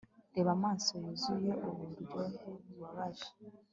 Reba amaso yuzuye uburyohe bubabaje